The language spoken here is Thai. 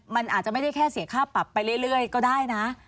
มันอาจจะไม่ได้แค่เสียค่าปรับไปเรื่อยก็ได้นะ